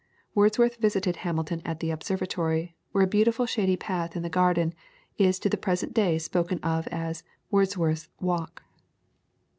Wordsworth visited Hamilton at the observatory, where a beautiful shady path in the garden is to the present day spoken of as "Wordsworth's Walk."